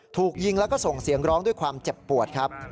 ถูกยิงแล้วก็ส่งเสียงร้องด้วยความเจ็บปวดครับ